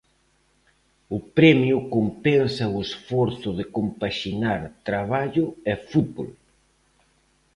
O premio compensa o esforzo de compaxinar traballo e fútbol.